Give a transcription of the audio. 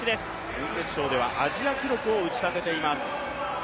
準決勝ではアジア記録を打ちたてています。